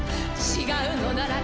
「違うのなら」